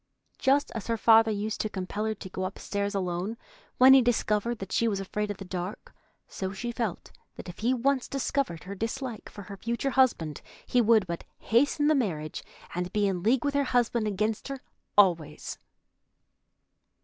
Just as her father used to compel her to go upstairs alone when he discovered that she was afraid of the dark, so she felt that if he once discovered her dislike for her future husband he would but hasten the marriage, and be in league with her husband against her always.